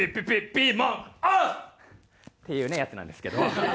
ピーマン！」っていうやつなんですけど。